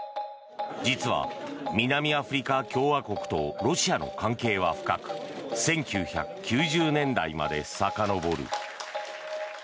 実は、南アフリカ共和国とロシアの関係は深く１９９０年代までさかのぼる。